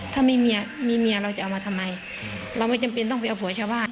ถ้ามีเมียมีเมียเราจะเอามาทำไมเราไม่จำเป็นต้องไปเอาผัวชาวบ้าน